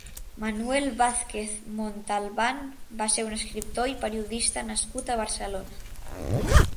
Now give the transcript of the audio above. Manuel Vázquez Montalbán va ser un escriptor i periodista nascut a Barcelona.